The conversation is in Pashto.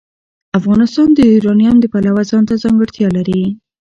افغانستان د یورانیم د پلوه ځانته ځانګړتیا لري.